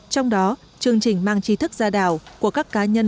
trong đó chương trình mang trí thức ra đảo của các cá nhân